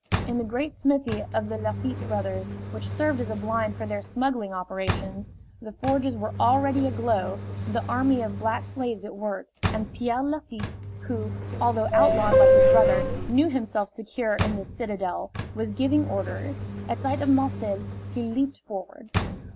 In the great smithy of the Lafitte brothers, which served as a blind for their smuggling operations, the forges were already aglow, the army of black slaves at work, and Pierre Lafitte, who, although outlawed like his brother, knew himself secure in this citadel, was giving orders. At sight of Marcel he leaped forward.